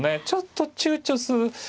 ちょっと躊躇する。